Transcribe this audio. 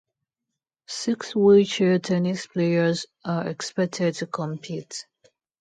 Six wheelchair tennis players are expected to compete.